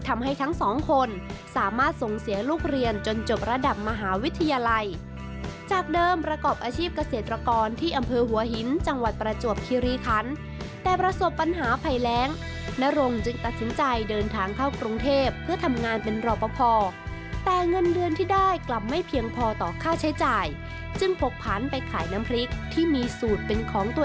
ทั้งสองคนสามารถส่งเสียลูกเรียนจนจบระดับมหาวิทยาลัยจากเดิมประกอบอาชีพเกษตรกรที่อำเภอหัวหินจังหวัดประจวบคิริคันแต่ประสบปัญหาภัยแรงนรงจึงตัดสินใจเดินทางเข้ากรุงเทพเพื่อทำงานเป็นรอปภแต่เงินเดือนที่ได้กลับไม่เพียงพอต่อค่าใช้จ่ายจึงผกพันไปขายน้ำพริกที่มีสูตรเป็นของตัว